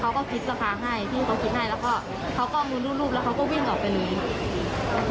เขาก็คิดสภาให้พี่เขาคิดให้แล้วก็เขาก็มุนรูปแล้วเขาก็วิ่งออกไปเลย